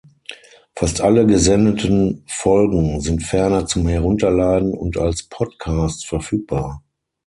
Fast alle gesendeten Folgen sind ferner zum Herunterladen und als Podcast verfügbar.